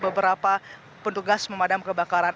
beberapa pendugas pemadam kebakaran